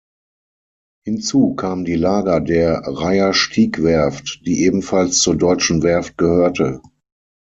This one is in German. Hinzu kamen die Lager der Reiherstiegwerft, die ebenfalls zur Deutschen Werft gehörte.